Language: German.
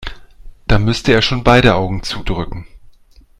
Da müsste er schon beide Augen zudrücken.